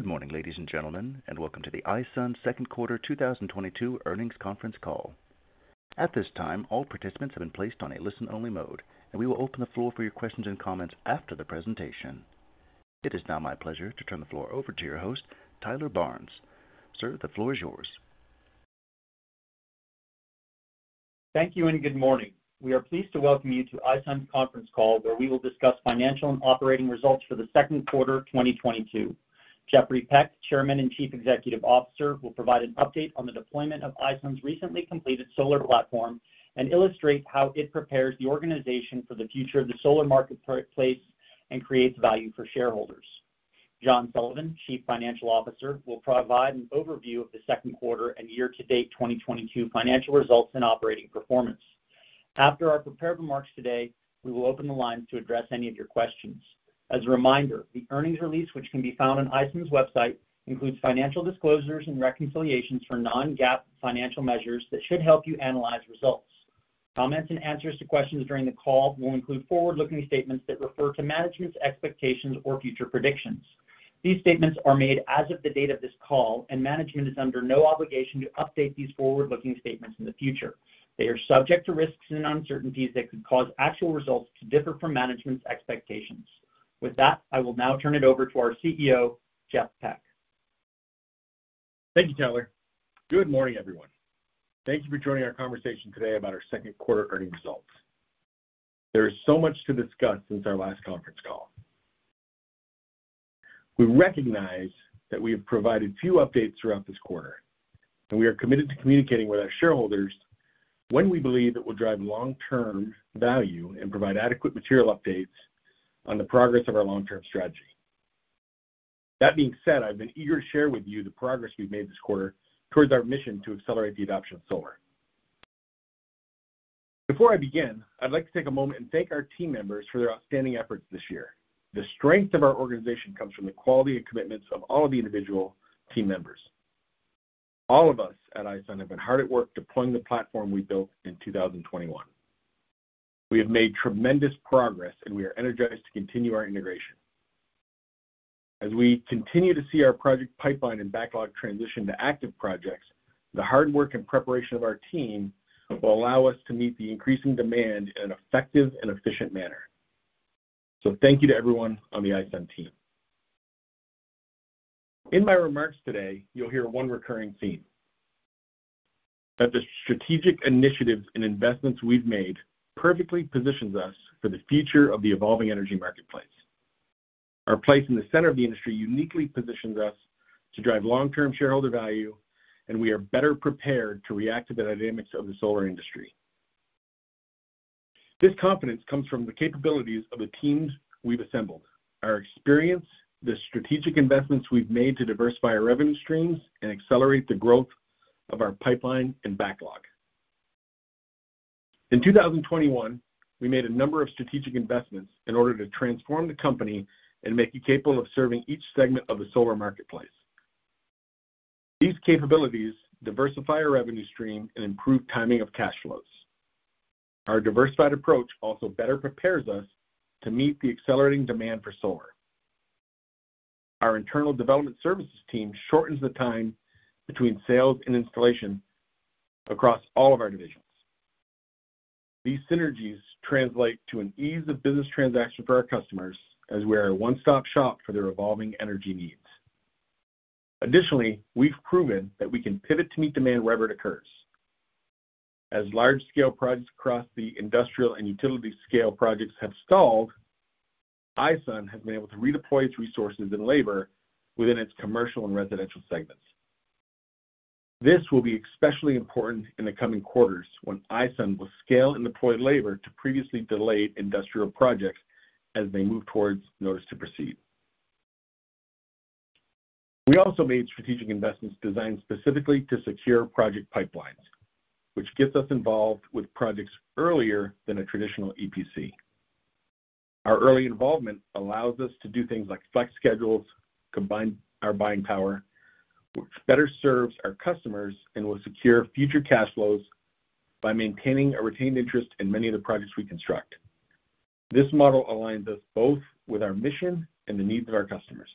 Good morning, ladies and gentlemen, and welcome to the iSun Q2 2022 earnings conference call. At this time, all participants have been placed on a listen-only mode, and we will open the floor for your questions and comments after the presentation. It is now my pleasure to turn the floor over to your host, Tyler Barnes. Sir, the floor is yours. Thank you, and good morning. We are pleased to welcome you to iSun's conference call, where we will discuss financial and operating results for the Q2 of 2022. Jeffrey Peck, Chairman and Chief Executive Officer, will provide an update on the deployment of iSun's recently completed solar platform and illustrate how it prepares the organization for the future of the solar marketplace and creates value for shareholders. John Sullivan, Chief Financial Officer, will provide an overview of the Q2 and year-to-date 2022 financial results and operating performance. After our prepared remarks today, we will open the lines to address any of your questions. As a reminder, the earnings release, which can be found on iSun's website, includes financial disclosures and reconciliations for non-GAAP financial measures that should help you analyze results. Comments and answers to questions during the call will include forward-looking statements that refer to management's expectations or future predictions. These statements are made as of the date of this call, and management is under no obligation to update these forward-looking statements in the future. They are subject to risks and uncertainties that could cause actual results to differ from management's expectations. With that, I will now turn it over to our CEO, Jeff Peck. Thank you, Tyler. Good morning, everyone. Thank you for joining our conversation today about our Q2 earnings results. There is so much to discuss since our last conference call. We recognize that we have provided few updates throughout this quarter, and we are committed to communicating with our shareholders when we believe it will drive long-term value and provide adequate material updates on the progress of our long-term strategy. That being said, I've been eager to share with you the progress we've made this quarter towards our mission to accelerate the adoption of solar. Before I begin, I'd like to take a moment and thank our team members for their outstanding efforts this year. The strength of our organization comes from the quality and commitments of all of the individual team members. All of us at iSun have been hard at work deploying the platform we built in 2021. We have made tremendous progress, and we are energized to continue our integration. As we continue to see our project pipeline and backlog transition to active projects, the hard work and preparation of our team will allow us to meet the increasing demand in an effective and efficient manner. Thank you to everyone on the iSun team. In my remarks today, you'll hear one recurring theme, that the strategic initiatives and investments we've made perfectly positions us for the future of the evolving energy marketplace. Our place in the center of the industry uniquely positions us to drive long-term shareholder value, and we are better prepared to react to the dynamics of the solar industry. This confidence comes from the capabilities of the teams we've assembled, our experience, the strategic investments we've made to diversify our revenue streams and accelerate the growth of our pipeline and backlog. In 2021, we made a number of strategic investments in order to transform the company and make it capable of serving each segment of the solar marketplace. These capabilities diversify our revenue stream and improve timing of cash flows. Our diversified approach also better prepares us to meet the accelerating demand for solar. Our internal development services team shortens the time between sales and installation across all of our divisions. These synergies translate to an ease of business transaction for our customers as we are a one-stop shop for their evolving energy needs. Additionally, we've proven that we can pivot to meet demand wherever it occurs. As large-scale projects across the industrial and utility scale projects have stalled, iSun has been able to redeploy its resources and labor within its commercial and residential segments. This will be especially important in the coming quarters when iSun will scale and deploy labor to previously delayed industrial projects as they move towards Notice to Proceed. We also made strategic investments designed specifically to secure project pipelines, which gets us involved with projects earlier than a traditional EPC. Our early involvement allows us to do things like flex schedules, combine our buying power, which better serves our customers and will secure future cash flows by maintaining a retained interest in many of the projects we construct. This model aligns us both with our mission and the needs of our customers.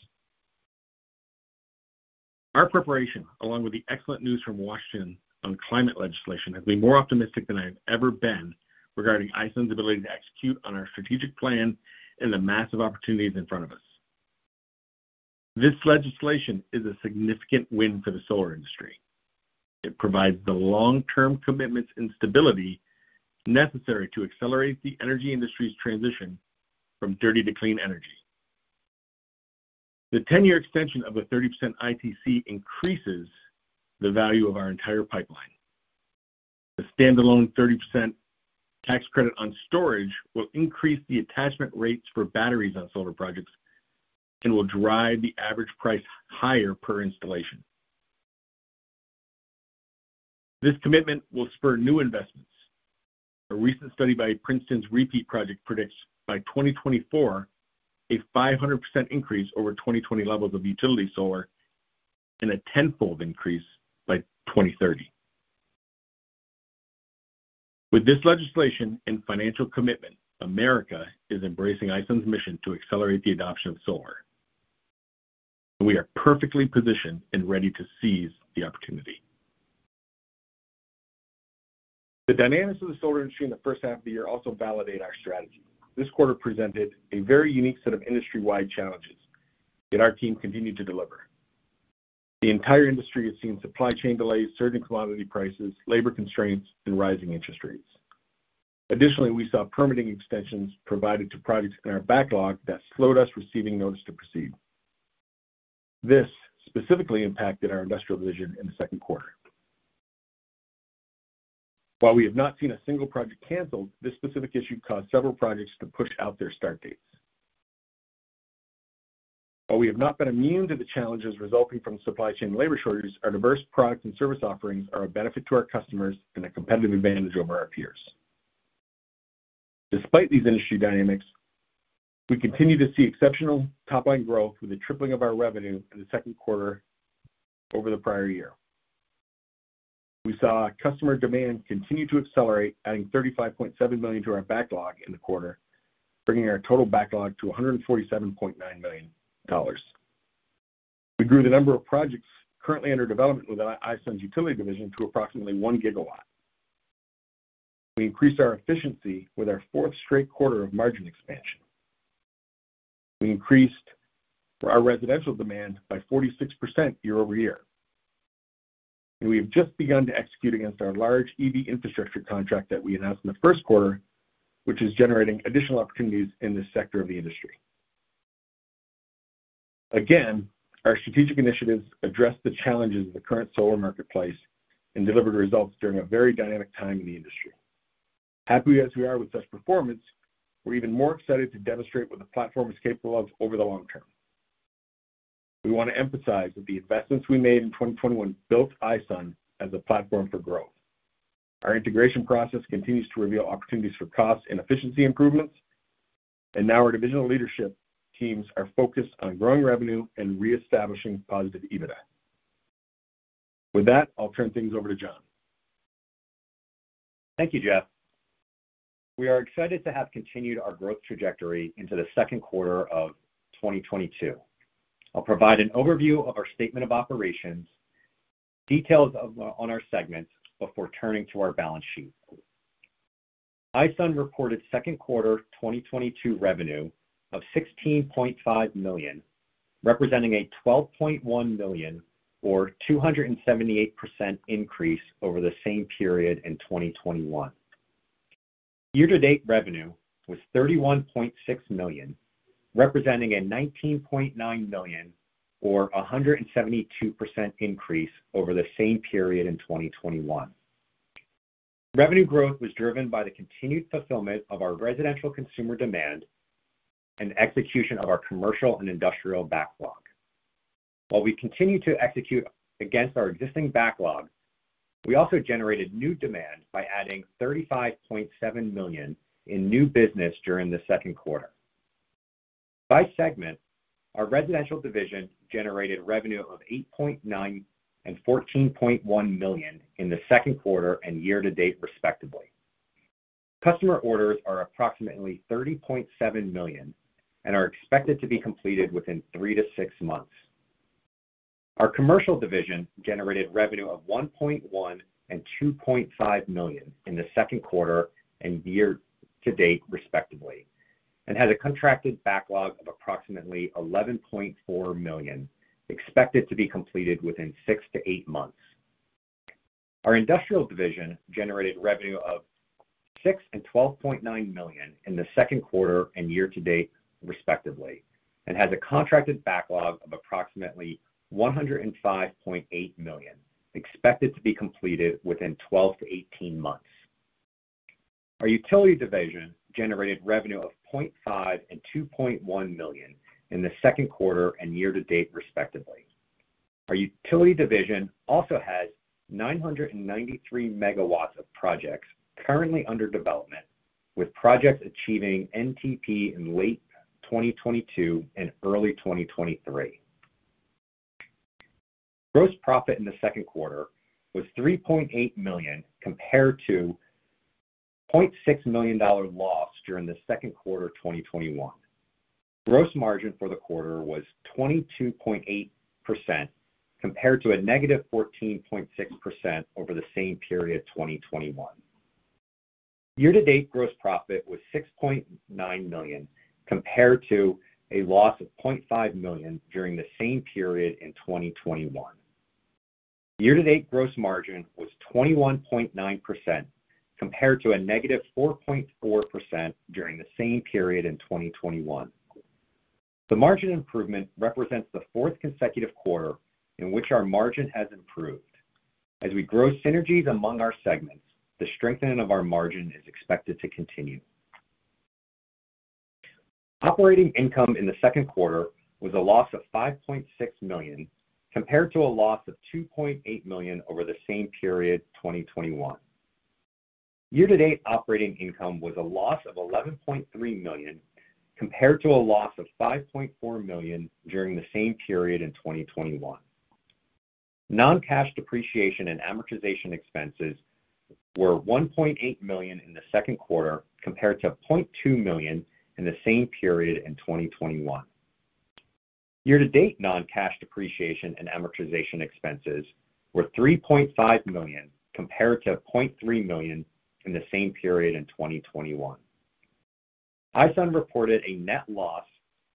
Our preparation, along with the excellent news from Washington on climate legislation, have me more optimistic than I've ever been regarding iSun's ability to execute on our strategic plan and the massive opportunities in front of us. This legislation is a significant win for the solar industry. It provides the long-term commitments and stability necessary to accelerate the energy industry's transition from dirty to clean energy. The 10-year extension of a 30% ITC increases the value of our entire pipeline. The standalone 30% tax credit on storage will increase the attachment rates for batteries on solar projects and will drive the average price higher per installation. This commitment will spur new investments. A recent study by Princeton's REPEAT Project predicts by 2024 a 500% increase over 2020 levels of utility solar and a tenfold increase by 2030. With this legislation and financial commitment, America is embracing iSun's mission to accelerate the adoption of solar. We are perfectly positioned and ready to seize the opportunity. The dynamics of the solar industry in the first half of the year also validate our strategy. This quarter presented a very unique set of industry-wide challenges, yet our team continued to deliver. The entire industry has seen supply chain delays, surging commodity prices, labor constraints, and rising interest rates. Additionally, we saw permitting extensions provided to projects in our backlog that slowed us receiving Notice to Proceed. This specifically impacted our industrial division in the Q2. While we have not seen a single project canceled, this specific issue caused several projects to push out their start dates. While we have not been immune to the challenges resulting from supply chain labor shortages, our diverse product and service offerings are a benefit to our customers and a competitive advantage over our peers. Despite these industry dynamics, we continue to see exceptional top-line growth with a tripling of our revenue in the Q2 over the prior year. We saw customer demand continue to accelerate, adding $35.7 million to our backlog in the quarter, bringing our total backlog to $147.9 million. We grew the number of projects currently under development within iSun's utility division to approximately one gigawatt. We increased our efficiency with our fourth straight quarter of margin expansion. We increased our residential demand by 46% year-over-year. We have just begun to execute against our large EV infrastructure contract that we announced in the Q1, which is generating additional opportunities in this sector of the industry. Again, our strategic initiatives address the challenges of the current solar marketplace and delivered results during a very dynamic time in the industry. Happy as we are with such performance, we're even more excited to demonstrate what the platform is capable of over the long term. We want to emphasize that the investments we made in 2021 built iSun as a platform for growth. Our integration process continues to reveal opportunities for cost and efficiency improvements, and now our divisional leadership teams are focused on growing revenue and reestablishing positive EBITDA. With that, I'll turn things over to John. Thank you, Jeff. We are excited to have continued our growth trajectory into the Q2 of 2022. I'll provide an overview of our statement of operations, details on our segments before turning to our balance sheet. iSun reported Q2 2022 revenue of $16.5 million, representing a $12.1 million or 278% increase over the same period in 2021. Year-to-date revenue was $31.6 million, representing a $19.9 million or 172% increase over the same period in 2021. Revenue growth was driven by the continued fulfillment of our residential consumer demand and execution of our commercial and industrial backlog. While we continue to execute against our existing backlog, we also generated new demand by adding $35.7 million in new business during the Q2. By segment, our residential division generated revenue of $8.9 million and $14.1 million in the Q2 and year-to-date, respectively. Customer orders are approximately $30.7 million and are expected to be completed within three to six months. Our commercial division generated revenue of $1.1 million and $2.5 million in the Q2 and year-to-date, respectively, and has a contracted backlog of approximately $11.4 million, expected to be completed within 6-8 months. Our industrial division generated revenue of $6 million and $12.9 million in the Q2 and year-to-date, respectively, and has a contracted backlog of approximately $105.8 million, expected to be completed within 12-18 months. Our utility division generated revenue of $0.5 million and $2.1 million in the Q2 and year-to-date, respectively. Our utility division also has 993 MW of projects currently under development, with projects achieving NTP in late 2022 and early 2023. Gross profit in the Q2 was $3.8 million compared to $0.6 million dollar loss during the Q2 of 2021. Gross margin for the quarter was 22.8% compared to a negative 14.6% over the same period 2021. Year-to-date gross profit was $6.9 million compared to a loss of $0.5 million during the same period in 2021. Year-to-date gross margin was 21.9% compared to a negative 4.4% during the same period in 2021. The margin improvement represents the fourth consecutive quarter in which our margin has improved. As we grow synergies among our segments, the strengthening of our margin is expected to continue. Operating income in the Q2 was a loss of $5.6 million, compared to a loss of $2.8 million over the same period 2021. Year-to-date operating income was a loss of $11.3 million, compared to a loss of $5.4 million during the same period in 2021. Non-cash depreciation and amortization expenses were $1.8 million in the Q2 compared to $0.2 million in the same period in 2021. Year-to-date non-cash depreciation and amortization expenses were $3.5 million compared to $0.3 million in the same period in 2021. iSun reported a net loss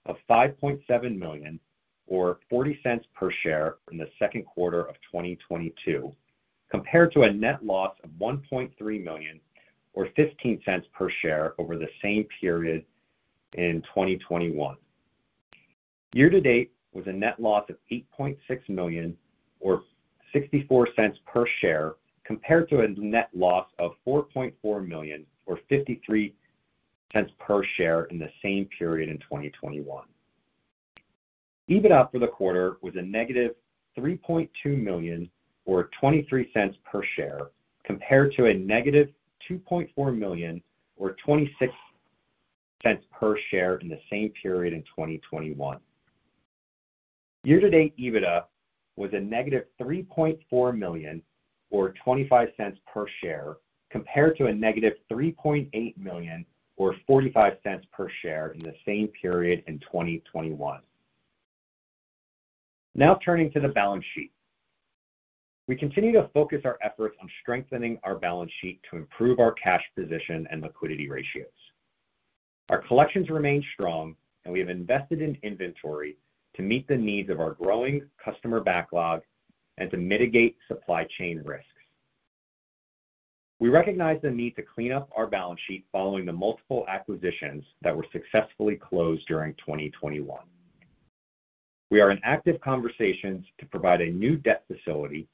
of $5.7 million or $0.40 per share in the Q2 of 2022 compared to a net loss of $1.3 million or $0.15 per share over the same period in 2021. Year-to-date was a net loss of $8.6 million or $0.64 per share compared to a net loss of $4.4 million or $0.53 per share in the same period in 2021. EBITDA for the quarter was -$3.2 million or -$0.23 per share compared to -$2.4 million or -$0.26 per share in the same period in 2021. Year-to-date EBITDA was a negative $3.4 million or $0.25 per share compared to a negative $3.8 million or $0.45 per share in the same period in 2021. Now turning to the balance sheet. We continue to focus our efforts on strengthening our balance sheet to improve our cash position and liquidity ratios. Our collections remain strong, and we have invested in inventory to meet the needs of our growing customer backlog and to mitigate supply chain risks. We recognize the need to clean up our balance sheet following the multiple acquisitions that were successfully closed during 2021. We are in active conversations to provide a new debt facility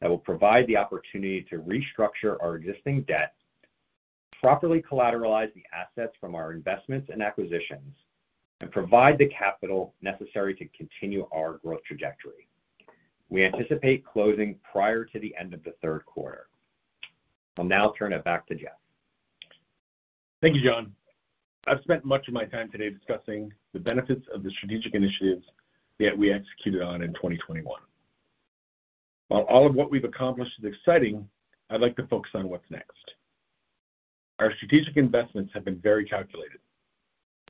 that will provide the opportunity to restructure our existing debt, properly collateralize the assets from our investments and acquisitions, and provide the capital necessary to continue our growth trajectory. We anticipate closing prior to the end of the Q3. I'll now turn it back to Jeff. Thank you, John. I've spent much of my time today discussing the benefits of the strategic initiatives that we executed on in 2021. While all of what we've accomplished is exciting, I'd like to focus on what's next. Our strategic investments have been very calculated,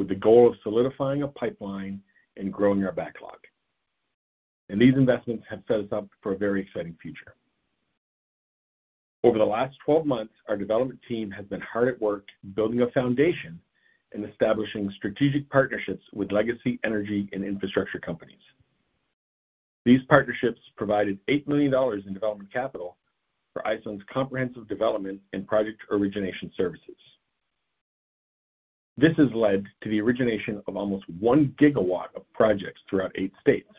with the goal of solidifying a pipeline and growing our backlog. These investments have set us up for a very exciting future. Over the last 12 months, our development team has been hard at work building a foundation and establishing strategic partnerships with legacy energy and infrastructure companies. These partnerships provided $8 million in development capital for iSun's comprehensive development and project origination services. This has led to the origination of almost one gigawatt of projects throughout eight states.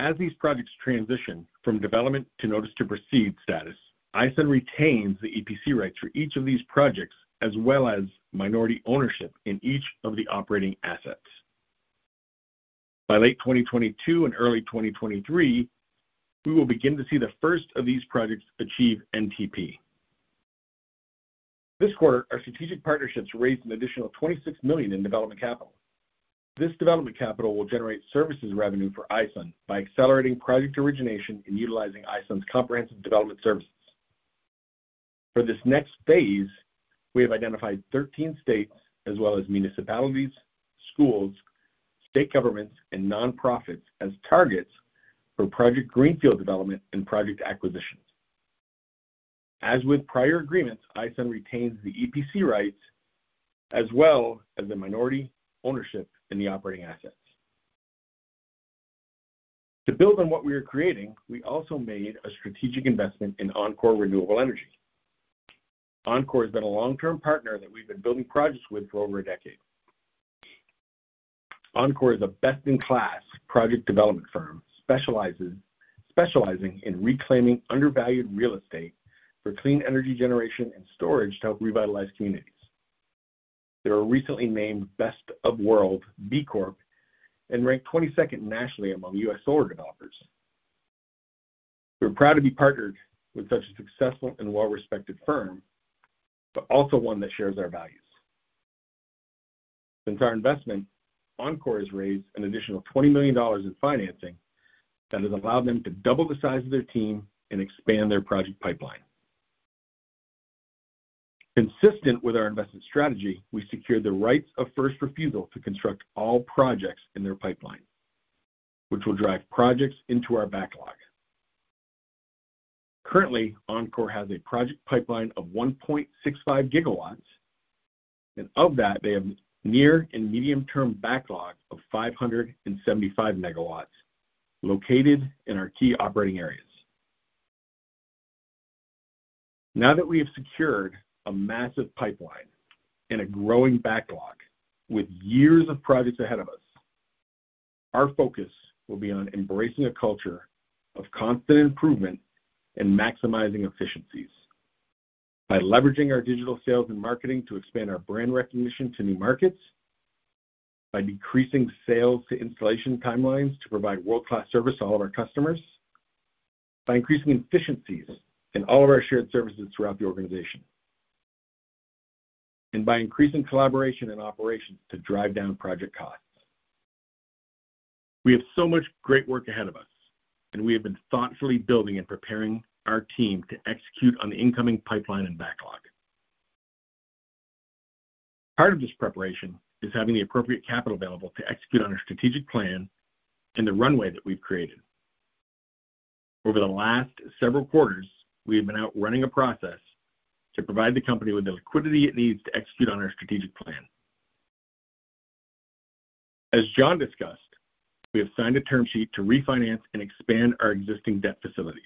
As these projects transition from development to notice to proceed status, iSun retains the EPC rights for each of these projects as well as minority ownership in each of the operating assets. By late 2022 and early 2023, we will begin to see the first of these projects achieve NTP. This quarter, our strategic partnerships raised an additional $26 million in development capital. This development capital will generate services revenue for iSun by accelerating project origination and utilizing iSun's comprehensive development services. For this next phase, we have identified 13 states as well as municipalities, schools, state governments, and nonprofits as targets for project greenfield development and project acquisitions. As with prior agreements, iSun retains the EPC rights as well as the minority ownership in the operating assets. To build on what we are creating, we also made a strategic investment in Encore Renewable Energy. Encore has been a long-term partner that we've been building projects with for over a decade. Encore is a best-in-class project development firm specializing in reclaiming undervalued real estate for clean energy generation and storage to help revitalize communities. They were recently named Best for the World B Corp and ranked 22 nationally among U.S. solar developers. We're proud to be partnered with such a successful and well-respected firm, but also one that shares our values. Since our investment, Encore has raised an additional $20 million in financing that has allowed them to double the size of their team and expand their project pipeline. Consistent with our investment strategy, we secured the rights of first refusal to construct all projects in their pipeline, which will drive projects into our backlog. Currently, Encore has a project pipeline of 1.65 GW, and of that, they have near- and medium-term backlog of 575 MW located in our key operating areas. Now that we have secured a massive pipeline and a growing backlog with years of projects ahead of us, our focus will be on embracing a culture of constant improvement and maximizing efficiencies by leveraging our digital sales and marketing to expand our brand recognition to new markets, by decreasing sales-to-installation timelines to provide world-class service to all of our customers, by increasing efficiencies in all of our shared services throughout the organization. By increasing collaboration and operations to drive down project costs. We have so much great work ahead of us, and we have been thoughtfully building and preparing our team to execute on the incoming pipeline and backlog. Part of this preparation is having the appropriate capital available to execute on our strategic plan and the runway that we've created. Over the last several quarters, we have been out running a process to provide the company with the liquidity it needs to execute on our strategic plan. As John discussed, we have signed a term sheet to refinance and expand our existing debt facilities.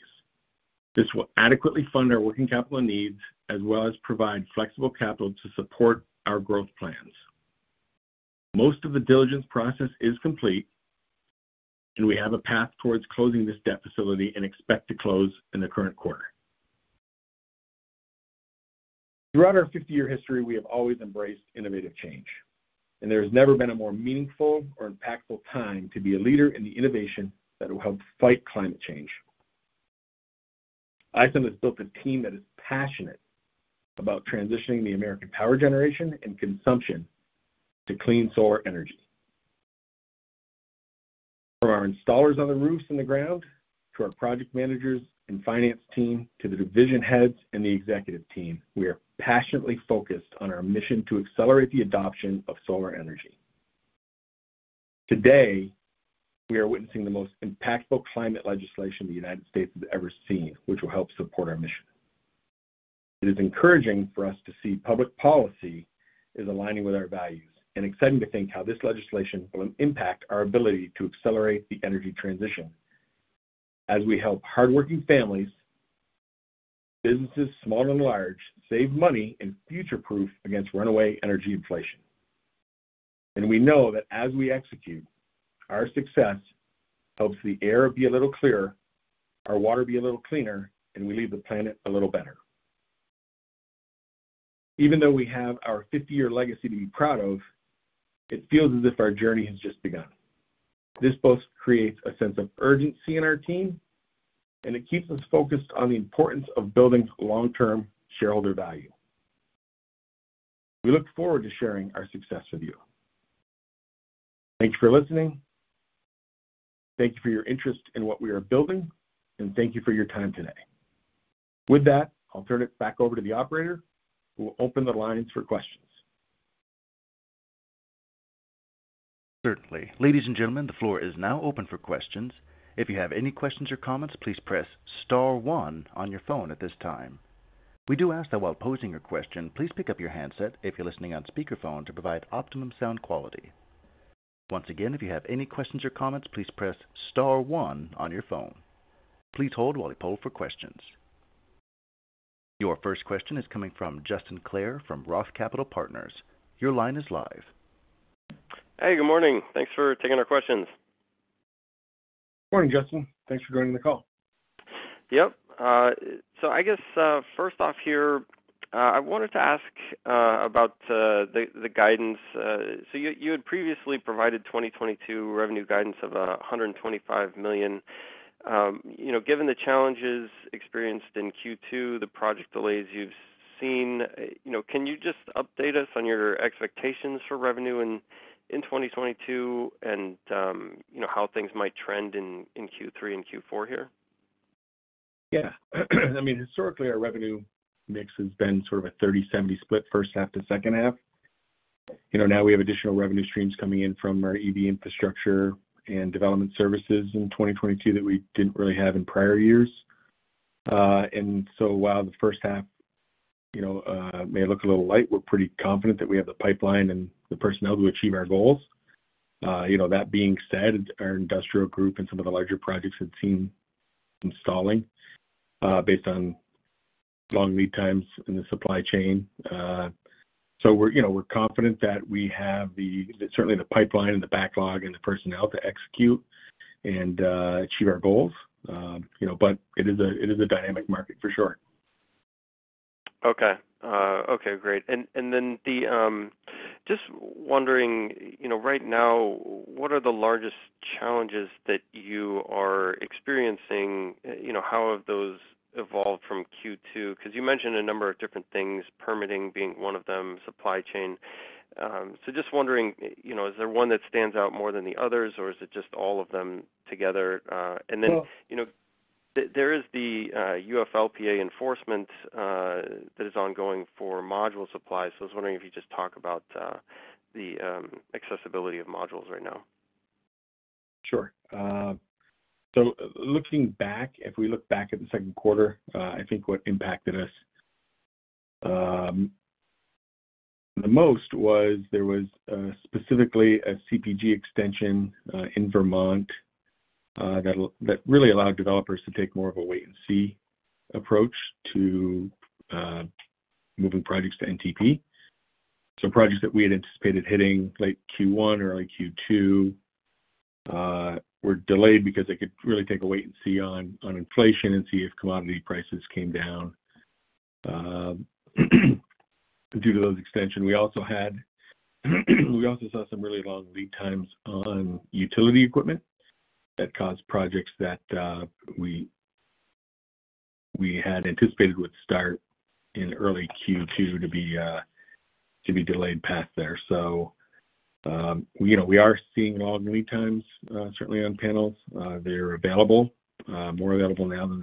This will adequately fund our working capital needs as well as provide flexible capital to support our growth plans. Most of the diligence process is complete, and we have a path towards closing this debt facility and expect to close in the current quarter. Throughout our 50-year history, we have always embraced innovative change, and there has never been a more meaningful or impactful time to be a leader in the innovation that will help fight climate change. iSun has built a team that is passionate about transitioning the American power generation and consumption to clean solar energy. From our installers on the roofs and the ground, to our project managers and finance team, to the division heads and the executive team, we are passionately focused on our mission to accelerate the adoption of solar energy. Today, we are witnessing the most impactful climate legislation the United States has ever seen, which will help support our mission. It is encouraging for us to see public policy is aligning with our values and exciting to think how this legislation will impact our ability to accelerate the energy transition as we help hardworking families, businesses, small and large, save money and future-proof against runaway energy inflation. We know that as we execute, our success helps the air be a little clearer, our water be a little cleaner, and we leave the planet a little better. Even though we have our 50-year legacy to be proud of, it feels as if our journey has just begun. This both creates a sense of urgency in our team, and it keeps us focused on the importance of building long-term shareholder value. We look forward to sharing our success with you. Thank you for listening. Thank you for your interest in what we are building. Thank you for your time today. With that, I'll turn it back over to the operator, who will open the lines for questions. Certainly. Ladies and gentlemen, the floor is now open for questions. If you have any questions or comments, please press star one on your phone at this time. We do ask that while posing your question, please pick up your handset if you're listening on speakerphone to provide optimum sound quality. Once again, if you have any questions or comments, please press star one on your phone. Please hold while we poll for questions. Your first question is coming from Justin Clare from Roth Capital Partners. Your line is live. Hey, good morning. Thanks for taking our questions. Morning, Justin. Thanks for joining the call. Yep. I guess, first off here, I wanted to ask about the guidance. You had previously provided 2022 revenue guidance of $125 million. You know, given the challenges experienced in Q2, the project delays you've seen, you know, can you just update us on your expectations for revenue in 2022 and, you know, how things might trend in Q3 and Q4 here? Yeah. I mean, historically, our revenue mix has been sort of a 30-70 split first half to second half. You know, now we have additional revenue streams coming in from our EV infrastructure and development services in 2022 that we didn't really have in prior years. While the first half, you know, may look a little light, we're pretty confident that we have the pipeline and the personnel to achieve our goals. You know, that being said, our industrial group and some of the larger projects have seen installing based on long lead times in the supply chain. We're, you know, we're confident that we have certainly the pipeline and the backlog and the personnel to execute and achieve our goals. You know, it is a dynamic market for sure. Okay. Okay, great. Just wondering, you know, right now, what are the largest challenges that you are experiencing? You know, how have those evolved from Q2? Because you mentioned a number of different things, permitting being one of them, supply chain. Just wondering, you know, is there one that stands out more than the others, or is it just all of them together? Well- You know, there is the UFLPA enforcement that is ongoing for module supply. I was wondering if you just talk about the accessibility of modules right now. Sure. Looking back, if we look back at the Q2, I think what impacted us the most was there was specifically a CPG extension in Vermont that really allowed developers to take more of a wait-and-see approach to moving projects to NTP. Projects that we had anticipated hitting late Q1 or early Q2 were delayed because they could really take a wait-and-see on inflation and see if commodity prices came down due to those extension. We also saw some really long lead times on utility equipment that caused projects that we had anticipated would start in early Q2 to be delayed past there. You know, we are seeing long lead times certainly on panels. They're available more available now than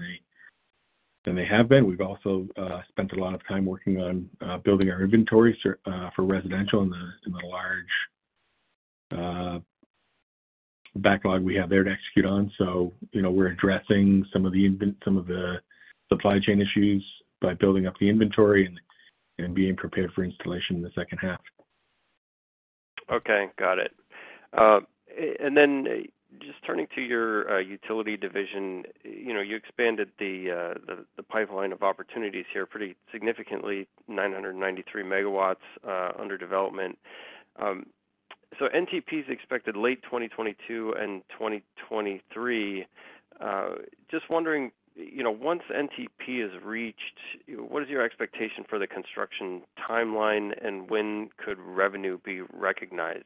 they have been. We've also spent a lot of time working on building our inventory for residential in the large backlog we have there to execute on. You know, we're addressing some of the supply chain issues by building up the inventory and being prepared for installation in the second half. Okay, got it. Just turning to your utility division, you know, you expanded the pipeline of opportunities here pretty significantly, 993 MW under development. NTP is expected late 2022 and 2023. Just wondering, you know, once NTP is reached, what is your expectation for the construction timeline and when could revenue be recognized?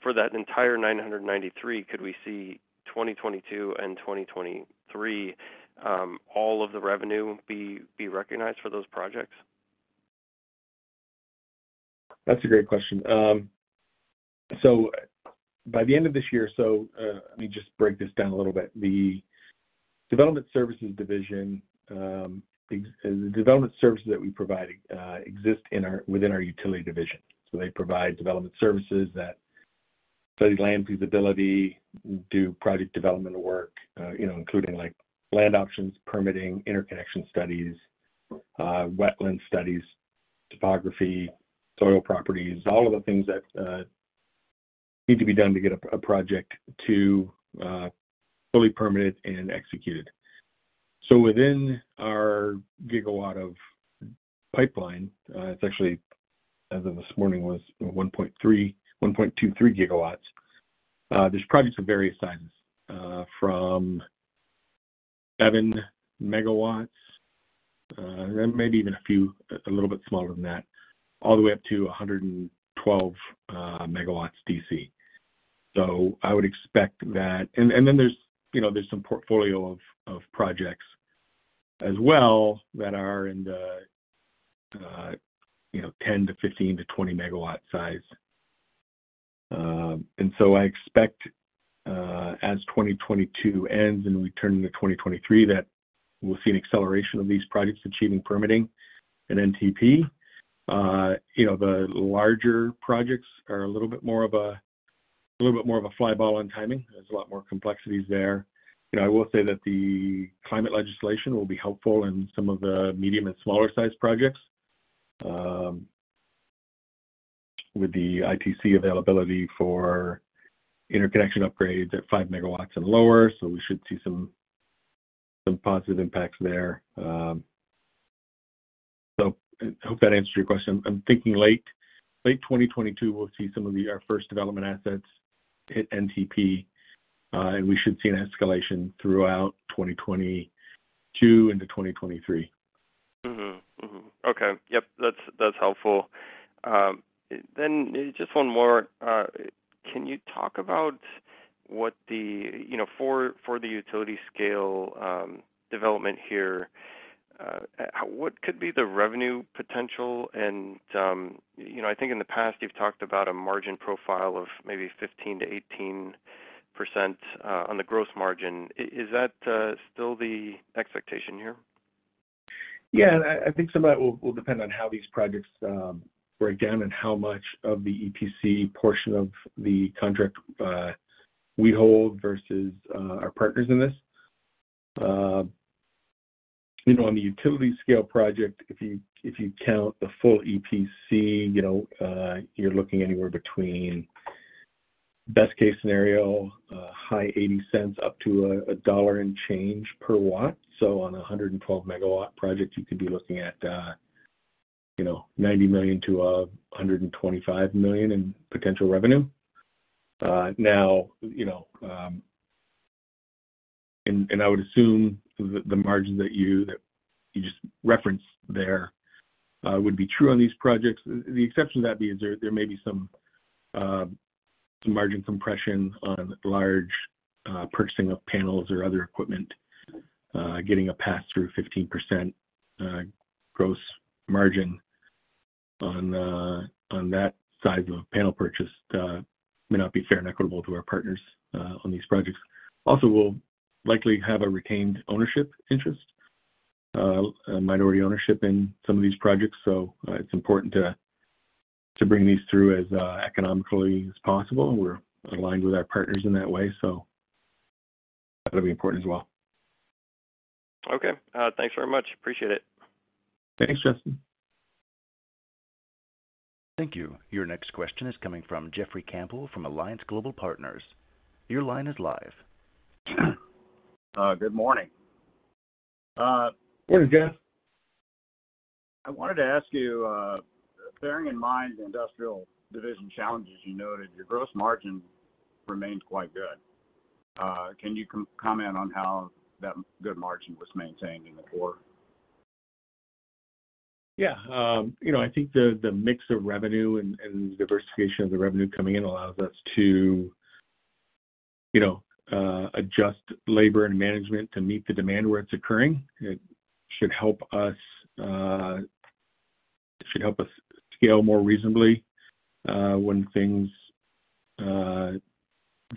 For that entire 993, could we see 2022 and 2023 all of the revenue be recognized for those projects? That's a great question. Let me just break this down a little bit. The development services that we provide exist within our utility division. They provide development services that study land feasibility, do project development work, you know, including like land options, permitting, interconnection studies, wetland studies, topography, soil properties, all of the things that need to be done to get a project to fully permitted and executed. Within our GW of pipeline, it's actually, as of this morning, was 1.23 GW. There's projects of various sizes, from 7 MW, maybe even a few little bit smaller than that, all the way up to 112 megawatts DC. I would expect that then there's, you know, there's some portfolio of projects as well that are in the, you know, 10 to 15 to 20 MW size. I expect, as 2022 ends and we turn into 2023, that we'll see an acceleration of these projects achieving permitting at NTP. You know, the larger projects are a little bit more of a fly ball on timing. There's a lot more complexities there. You know, I will say that the climate legislation will be helpful in some of the medium and smaller sized projects, with the ITC availability for interconnection upgrades at 5 MW and lower. We should see some positive impacts there. I hope that answers your question. I'm thinking late 2022, we'll see some of our first development assets hit NTP, and we should see an escalation throughout 2022 into 2023. Mm-hmm. Mm-hmm. Okay. Yep, that's helpful. Just one more. Can you talk about, you know, for the utility scale development here, what could be the revenue potential? You know, I think in the past you've talked about a margin profile of maybe 15%-18% on the gross margin. Is that still the expectation here? Yeah, I think some of that will depend on how these projects break down and how much of the EPC portion of the contract we hold versus our partners in this. You know, on the utility-scale project, if you count the full EPC, you know, you're looking anywhere between best-case scenario, high $0.80 up to a $1 and change per watt. On a 112-megawatt project, you could be looking at, you know, $90 million-$125 million in potential revenue. Now, you know, I would assume the margin that you just referenced there would be true on these projects. The exception to that is there may be some margin compression on large purchasing of panels or other equipment, getting a pass through 15% gross margin on that size of a panel purchase, may not be fair and equitable to our partners on these projects. Also, we'll likely have a retained ownership interest, a minority ownership in some of these projects. It's important to bring these through as economically as possible. We're aligned with our partners in that way, so that'll be important as well. Okay. Thanks very much. Appreciate it. Thanks, Justin. Thank you. Your next question is coming from Jeffrey Campbell from Alliance Global Partners. Your line is live. Good morning. Morning, Jeff. I wanted to ask you, bearing in mind the industrial division challenges you noted, your gross margin remained quite good. Can you comment on how that good margin was maintained in the quarter? Yeah. You know, I think the mix of revenue and diversification of the revenue coming in allows us to adjust labor and management to meet the demand where it's occurring. It should help us scale more reasonably when things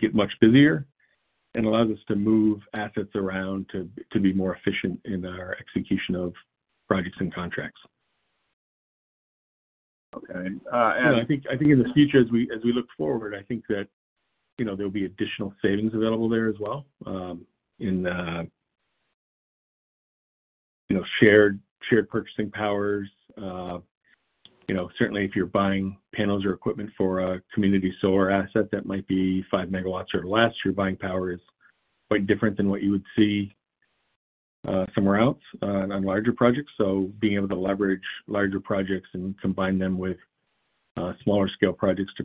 get much busier and allows us to move assets around to be more efficient in our execution of projects and contracts. Okay. I think in the future as we look forward, I think that, you know, there'll be additional savings available there as well, in, you know, shared purchasing powers. You know, certainly if you're buying panels or equipment for a community solar asset that might be 5 MW or less, your buying power is quite different than what you would see, somewhere else, on larger projects. Being able to leverage larger projects and combine them with, smaller scale projects to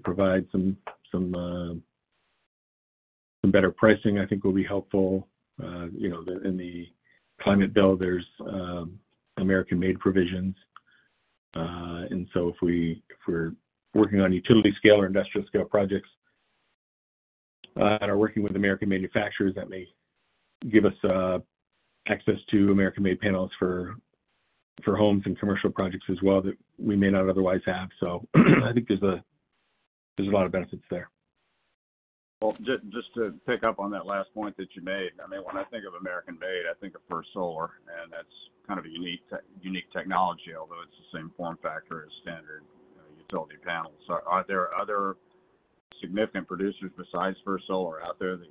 provide some better pricing, I think will be helpful. You know, in the climate bill, there's American-made provisions. If we're working on utility scale or industrial scale projects, and are working with American manufacturers, that may give us access to American-made panels for homes and commercial projects as well that we may not otherwise have. I think there's a lot of benefits there. Well, just to pick up on that last point that you made. I mean, when I think of American-made, I think of First Solar, and that's kind of a unique technology, although it's the same form factor as standard, you know, utility panels. Are there other significant producers besides First Solar out there that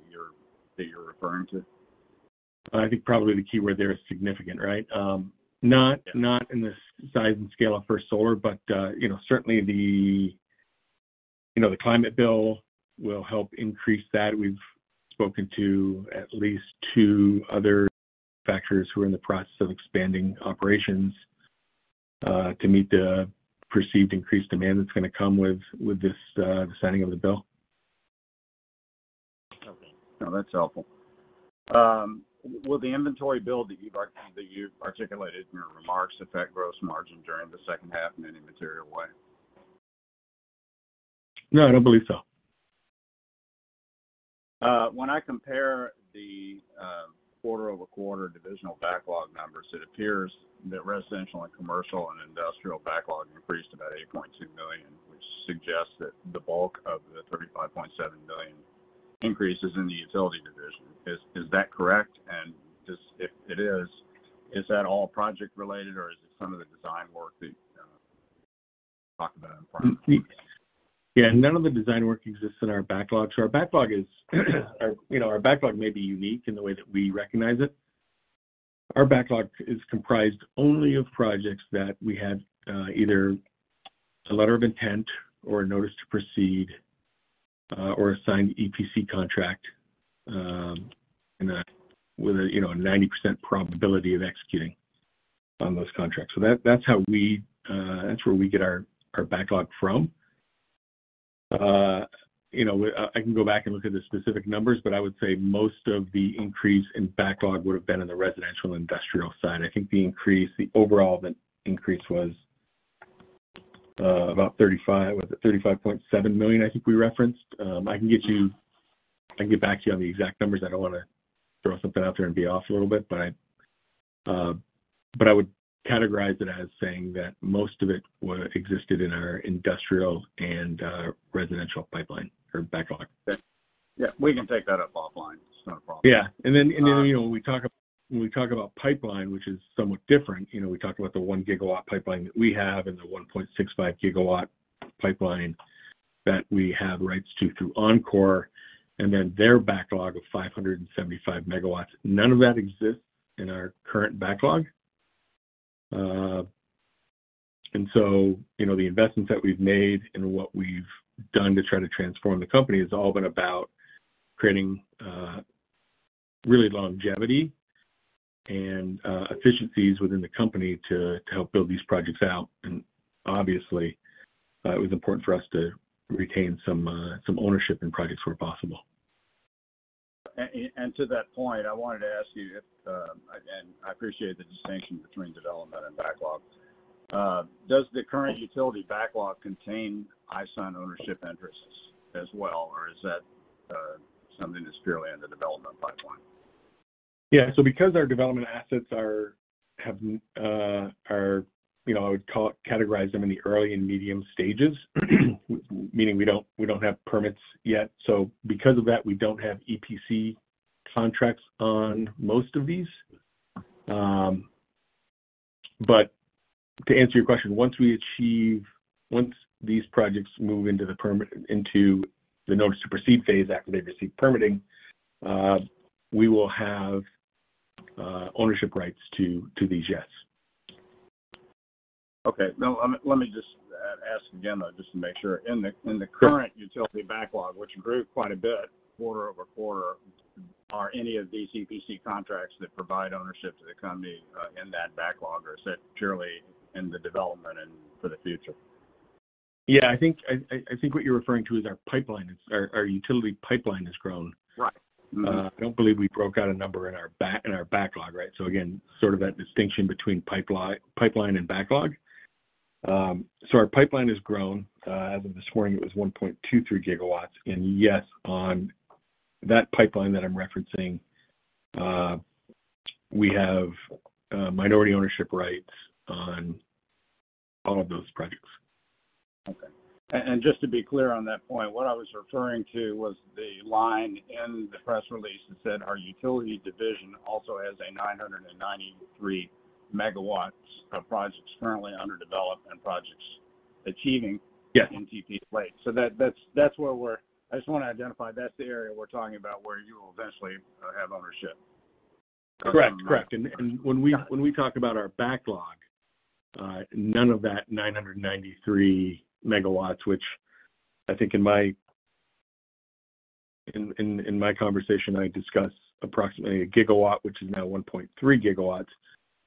you're referring to? I think probably the key word there is significant, right? Not in the size and scale of First Solar, but you know, certainly the climate bill will help increase that. We've spoken to at least two other players who are in the process of expanding operations to meet the perceived increased demand that's gonna come with this, the signing of the bill. Okay. No, that's helpful. Will the inventory build that you've articulated in your remarks affect gross margin during the second half in any material way? No, I don't believe so. When I compare the QoQ divisional backlog numbers, it appears that residential and commercial and industrial backlog increased about $8.2 million, which suggests that the bulk of the $35.7 billion increase is in the utility division. Is that correct? Does, if it is that all project related or is it some of the design work that you talked about in front of me? Yeah. None of the design work exists in our backlog. You know, our backlog may be unique in the way that we recognize it. Our backlog is comprised only of projects that we had either a letter of intent or a notice to proceed or a signed EPC contract with a, you know, a 90% probability of executing on those contracts. That's how we get our backlog from. You know, I can go back and look at the specific numbers, but I would say most of the increase in backlog would have been in the residential industrial side. I think the overall increase was about 35. Was it $35.7 million I think we referenced. I can get back to you on the exact numbers. I don't wanna throw something out there and be off a little bit. I would categorize it as saying that most of it existed in our industrial and residential pipeline or backlog. Yeah. We can take that up offline. It's not a problem. Yeah. You know, when we talk about pipeline, which is somewhat different, you know, we talked about the 1 gigawatt pipeline that we have and the 1.65 GW pipeline that we have rights to through Encore, and then their backlog of 575 MW. None of that exists in our current backlog. You know, the investments that we've made and what we've done to try to transform the company has all been about creating really longevity and efficiencies within the company to help build these projects out. Obviously, it was important for us to retain some ownership in projects where possible. To that point, I wanted to ask you if, again, I appreciate the distinction between development and backlog. Does the current utility backlog contain iSun ownership interests as well, or is that something that's purely in the development pipeline? Yeah. Because our development assets are, you know, I would categorize them in the early and medium stages, meaning we don't have permits yet. Because of that, we don't have EPC contracts on most of these. But to answer your question, once these projects move into the notice to proceed phase after they've received permitting, we will have ownership rights to these, yes. Okay. Now let me just ask again just to make sure. In the current utility backlog, which grew quite a bit QoQ, are any of these EPC contracts that provide ownership to the company in that backlog, or is it purely in the development and for the future? Yeah, I think what you're referring to is our utility pipeline has grown. Right. Mm-hmm. I don't believe we broke out a number in our backlog, right? Again, sort of that distinction between pipeline and backlog. Our pipeline has grown. As of this morning, it was 1.23 GW. Yes, on that pipeline that I'm referencing, we have minority ownership rights on all of those projects. Just to be clear on that point, what I was referring to was the line in the press release that said our utility division also has 993 MW of projects currently under development, projects achieving- Yeah. NTP slate. I just wanna identify, that's the area we're talking about where you will eventually have ownership. Correct. When we talk about our backlog, none of that 993 MW, which I think in my conversation I discussed approximately 1 GW, which is now 1.3 GW.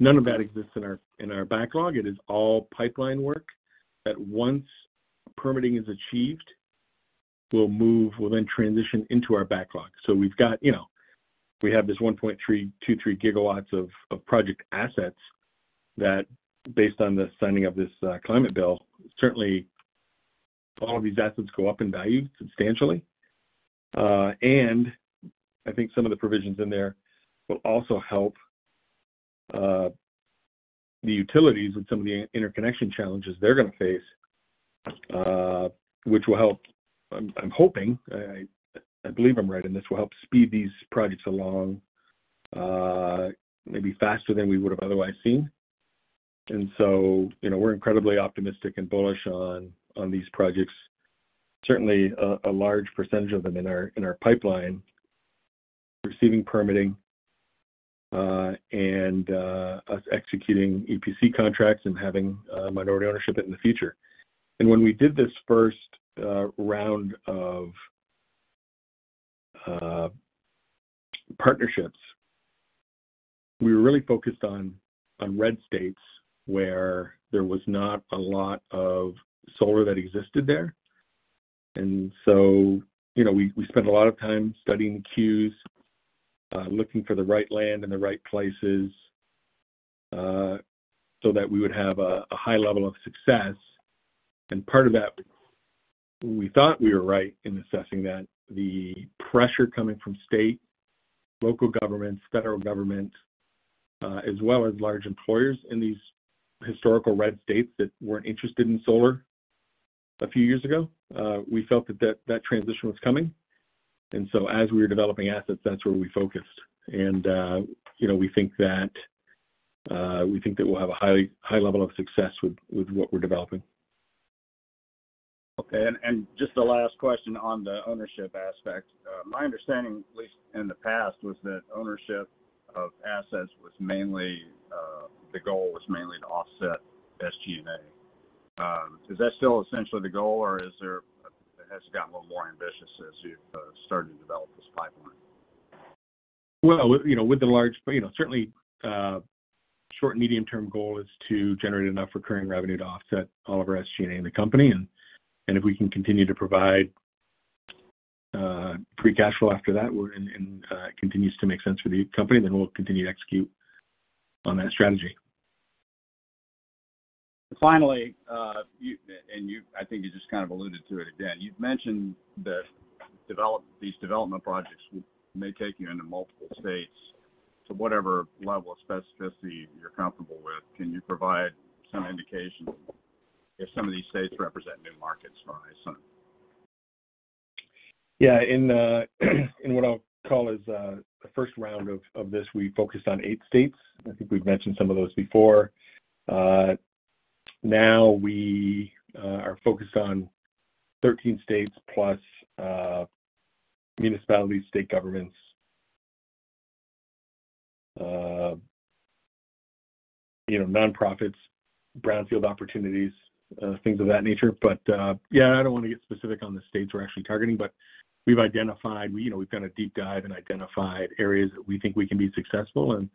None of that exists in our backlog. It is all pipeline work that once permitting is achieved, will then transition into our backlog. We've got, you know, we have this 1.323 GW of project assets that based on the signing of this climate bill, certainly all of these assets go up in value substantially. I think some of the provisions in there will also help the utilities with some of the interconnection challenges they're gonna face, which will help. I'm hoping, I believe I'm right, and this will help speed these projects along, maybe faster than we would have otherwise seen. You know, we're incredibly optimistic and bullish on these projects. Certainly a large percentage of them in our pipeline receiving permitting, and us executing EPC contracts and having minority ownership in the future. When we did this first round of partnerships, we were really focused on red states where there was not a lot of solar that existed there. You know, we spent a lot of time studying cues, looking for the right land and the right places, so that we would have a high level of success. Part of that, we thought we were right in assessing that the pressure coming from state, local governments, federal government, as well as large employers in these historical red states that weren't interested in solar a few years ago, we felt that transition was coming. As we were developing assets, that's where we focused. You know, we think that we'll have a high level of success with what we're developing. Just the last question on the ownership aspect. My understanding at least in the past was that ownership of assets was mainly the goal was mainly to offset SG&A. Is that still essentially the goal, or has it gotten a little more ambitious as you've started to develop this pipeline? Well, you know, certainly, short and medium-term goal is to generate enough recurring revenue to offset all of our SG&A in the company. It continues to make sense for the company. Then we'll continue to execute on that strategy. Finally, I think you just kind of alluded to it again. You've mentioned that these development projects may take you into multiple states. Whatever level of specificity you're comfortable with, can you provide some indication if some of these states represent new markets for iSun? Yeah. In what I'll call the first round of this, we focused on eight states. I think we've mentioned some of those before. Now we are focused on 13 states+ municipality, state governments, you know, nonprofits, brownfield opportunities, things of that nature. I don't wanna get specific on the states we're actually targeting, but we've identified, you know, we've done a deep dive and identified areas that we think we can be successful.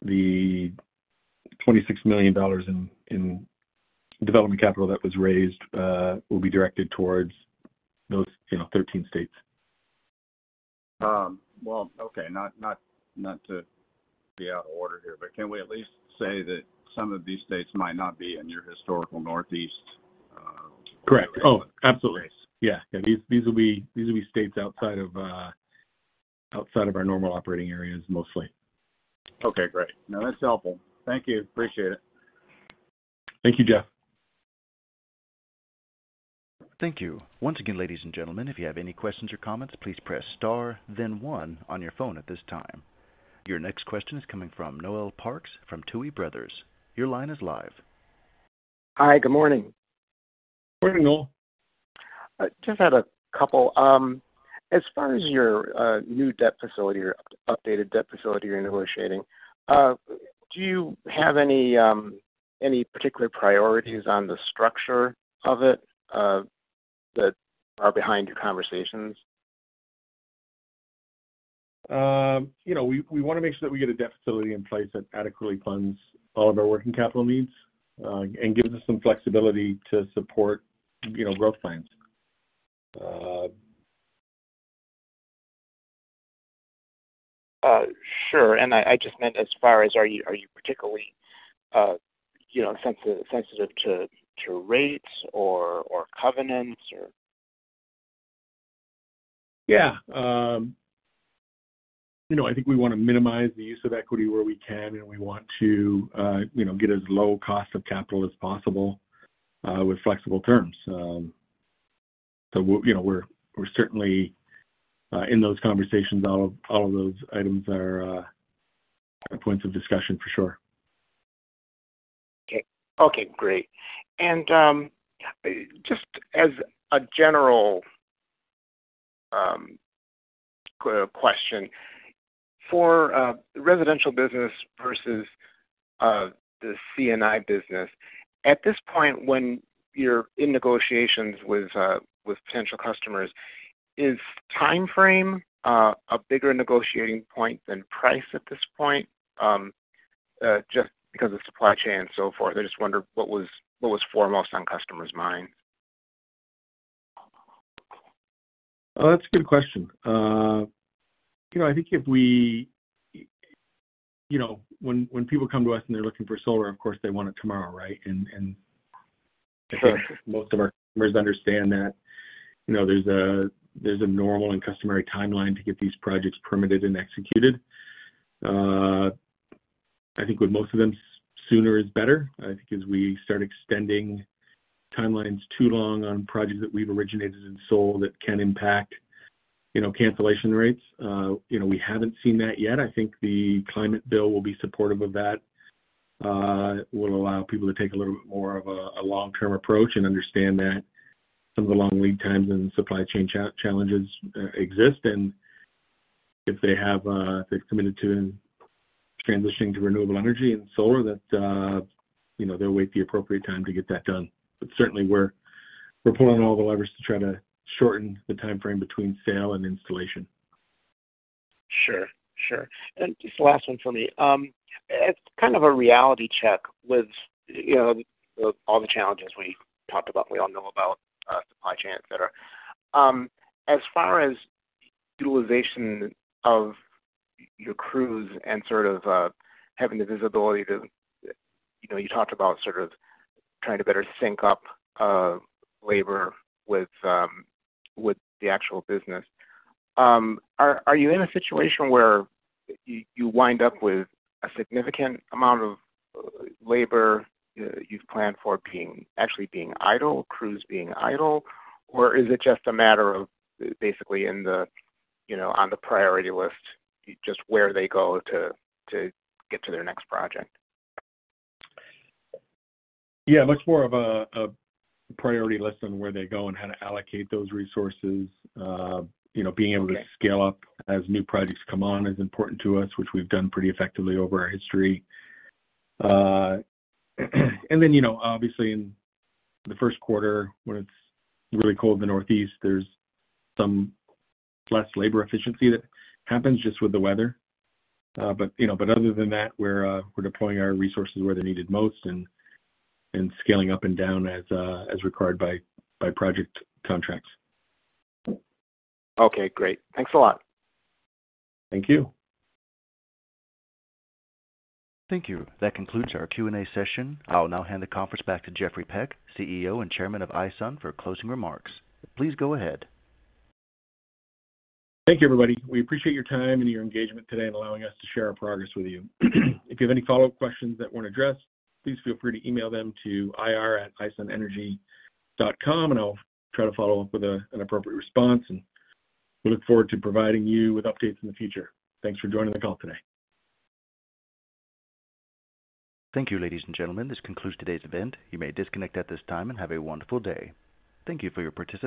The $26 million in development capital that was raised will be directed towards those, you know, 13 states. Well, okay. Not to be out of order here, but can we at least say that some of these states might not be in your historical Northeast? Correct. Oh, absolutely. Okay. Yeah. These will be states outside of our normal operating areas mostly. Okay, great. No, that's helpful. Thank you. Appreciate it. Thank you, Jeff. Thank you. Once again, ladies and gentlemen, if you have any questions or comments, please press star then one on your phone at this time. Your next question is coming from Noel Parks from Tuohy Brothers. Your line is live. Hi. Good morning. Morning, Noel. I just had a couple. As far as your new debt facility or updated debt facility you're negotiating, do you have any particular priorities on the structure of it that are behind your conversations? You know, we wanna make sure that we get a debt facility in place that adequately funds all of our working capital needs, and gives us some flexibility to support, you know, growth plans. Sure. I just meant as far as are you particularly, you know, sensitive to rates or covenants or? Yeah. You know, I think we wanna minimize the use of equity where we can, and we want to, you know, get as low cost of capital as possible, with flexible terms. You know, we're certainly in those conversations. All of those items are points of discussion for sure. Okay. Okay, great. Just as a general question, for residential business versus the C&I business, at this point when you're in negotiations with potential customers, is timeframe a bigger negotiating point than price at this point, just because of supply chain and so forth? I just wondered what was foremost on customers' minds. Oh, that's a good question. You know, I think when people come to us and they're looking for solar, of course they want it tomorrow, right? I think most of our customers understand that, you know, there's a normal and customary timeline to get these projects permitted and executed. I think with most of them, sooner is better. I think as we start extending timelines too long on projects that we've originated and sold, that can impact, you know, cancellation rates. You know, we haven't seen that yet. I think the climate bill will be supportive of that. It will allow people to take a little bit more of a long-term approach and understand that some of the long lead times and supply chain challenges exist. If they've committed to transitioning to renewable energy and solar that, you know, they'll wait the appropriate time to get that done. Certainly we're pulling all the levers to try to shorten the timeframe between sale and installation. Sure. Just the last one for me. As kind of a reality check with, you know, all the challenges we talked about, we all know about, supply chain, et cetera. As far as utilization of your crews and sort of, having the visibility to you know, you talked about sort of trying to better sync up, labor with the actual business. Are you in a situation where you wind up with a significant amount of labor you've planned for actually being idle, crews being idle? Or is it just a matter of basically in the, you know, on the priority list, just where they go to get to their next project? Yeah. Much more of a priority list on where they go and how to allocate those resources. You know, being able to scale up as new projects come on is important to us, which we've done pretty effectively over our history. You know, obviously in the Q1 when it's really cold in the Northeast, there's some less labor efficiency that happens just with the weather. You know, other than that, we're deploying our resources where they're needed most and scaling up and down as required by project contracts. Okay, great. Thanks a lot. Thank you. Thank you. That concludes our Q&A session. I'll now hand the conference back to Jeffrey Peck, CEO and Chairman of iSun, for closing remarks. Please go ahead. Thank you, everybody. We appreciate your time and your engagement today in allowing us to share our progress with you. If you have any follow-up questions that weren't addressed, please feel free to email them to ir@isunenergy.com, and I'll try to follow up with an appropriate response. We look forward to providing you with updates in the future. Thanks for joining the call today. Thank you, ladies and gentlemen. This concludes today's event. You may disconnect at this time, and have a wonderful day. Thank you for your participation.